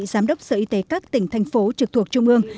giám đốc sở y tế các tỉnh thành phố trực thuộc trung ương